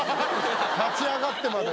立ち上がってまで。